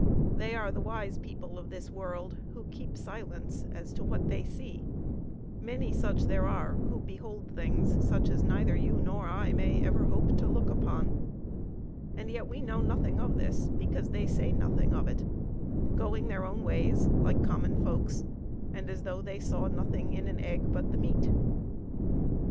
They are the wise people of this world who keep silence as to what they see; many such there are who behold things such as neither you nor I may ever hope to look upon, and yet we know nothing of this because they say nothing of it, going their own ways like com mon folks, and as though they saw nothing in an egg but the meat.